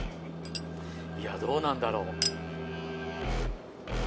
いやどうなんだろう。